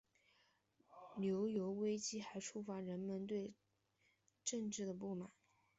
牛油危机还触发人们对政治的不满。